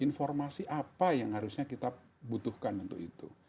informasi apa yang harusnya kita butuhkan untuk itu